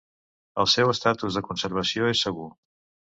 El seu estatus de conservació és segur.